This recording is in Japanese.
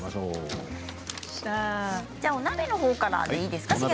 お鍋のほうからでいいですか？